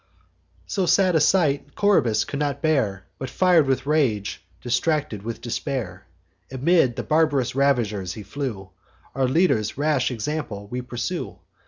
So sad a sight Coroebus could not bear; But, fir'd with rage, distracted with despair, Amid the barb'rous ravishers he flew: Our leader's rash example we pursue.